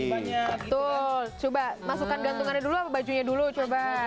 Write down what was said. betul coba masukkan gantungannya dulu apa bajunya dulu coba